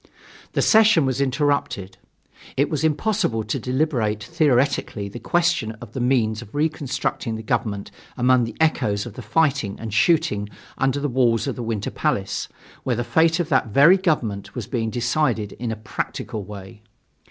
The session was interrupted. It was impossible to deliberate theoretically the question of the means of reconstructing the government among the echoes of the fighting and shooting under the walls of the Winter Palace, where the fate of that very government was being decided in a practical way.